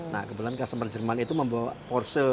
nah kebetulan customer jerman itu membawa porsel